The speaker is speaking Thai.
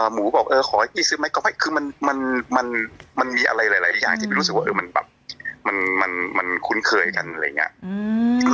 หมูบอกเออขอให้พี่ซื้อไหมก็ไม่คือมันมีอะไรหลายอย่างที่พี่รู้สึกว่ามันแบบมันคุ้นเคยกันอะไรอย่างนี้